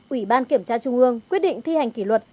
ủy ban kiểm tra trung ương quyết định thi hành kỷ luật